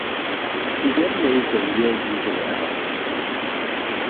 He then moved to Rio do Janeiro.